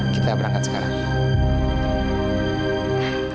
kita berangkat sekarang